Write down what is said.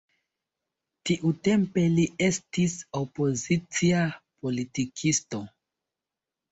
Tiutempe li estis opozicia politikisto.